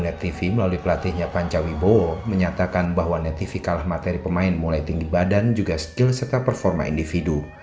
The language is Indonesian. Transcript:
sementara di kubu nettv melalui pelatihnya pancawi bowo menyatakan bahwa nettv kalah materi pemain mulai tinggi badan juga skill serta performa individu